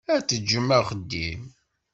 Ad teǧǧem axeddim.